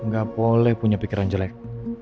gak boleh punya pikiran jelek